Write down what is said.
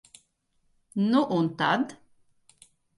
Nu un tad?